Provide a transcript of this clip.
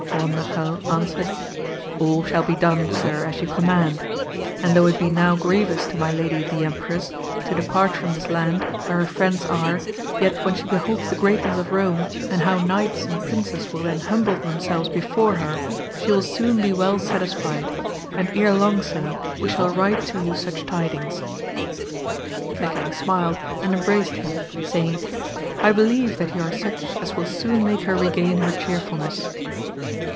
Brondajel answered, All shall be done sir as you command; and though it be now grievous to my lady the empress, to depart from this land, where her friends are, yet when she beholds the greatness of Rome, and how knights and princes will then humble themselves before her, she will soon be well satisfied, and ere long sir, we shall write to you such tidings. The king smiled, and embraced him, saying, I believe that ye are such as will soon make her regain her chearfulness.